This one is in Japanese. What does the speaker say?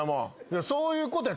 そういうことや。